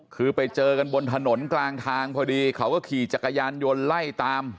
คือไปเจอกันบนถนนกลางทางพอดีเขาก็ขี่จักรยานยนต์ไล่ตาม